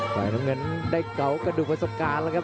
ฝ่ายน้ำเงินได้เกากระดูกประสบการณ์แล้วครับ